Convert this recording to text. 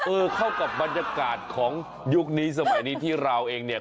เออเข้ากับบรรยากาศของยุคนี้สมัยนี้ที่เราเองเนี่ย